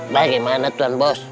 bagaimana tuan bos